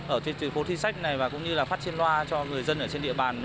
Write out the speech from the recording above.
ở phố thi sách này và cũng như là phát trên loa cho người dân ở trên địa bàn